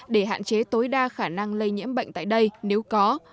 để hạn chế tối đa khả năng lây nhiễm bệnh tại đây nếu có